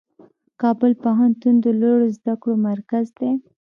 کابل پوهنتون د لوړو زده کړو مرکز دی.